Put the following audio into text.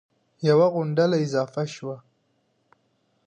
یوه غونډله اضافه شوه